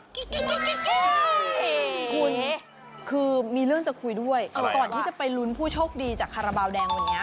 นี่คือมีเรื่องจะคุยด้วยก่อนที่จะไปลุ้นผู้โชคดีจากคาราบาลแดงวันนี้